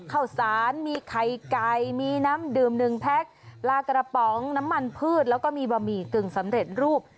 ข้าวสารมีไข่ไก่มีน้ำดื่มหนึ่งแพ็คปลากระป๋องน้ำมันพืชแล้วก็มีบะหมี่กึ่งสำเร็จรูป